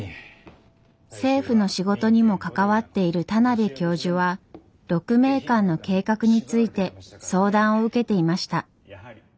政府の仕事にも関わっている田邊教授は鹿鳴館の計画について相談を受けていました。